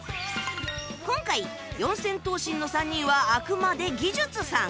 今回四千頭身の３人はあくまで技術さん